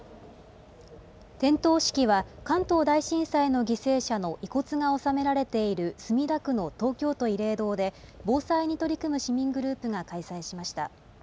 点灯式は関東大震災の犠牲者の遺骨が納められている墨田区の東京都慰霊堂で、防災に取り組む市民グループが開催しました。